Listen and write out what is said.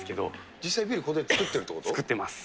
実際、ビールここで造ってる造ってます。